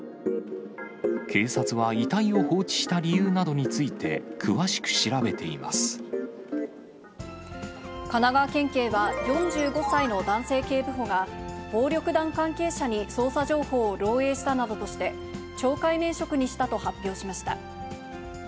警察は、遺体を放置した理由などについて、神奈川県警は、４５歳の男性警部補が、暴力団関係者に捜査情報を漏えいしたなどとして、懲戒免職にしたと発表しました。